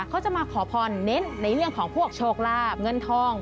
เขาจะมาขอพรเน้นในเรื่องของพวกโชคลาบเงินทอง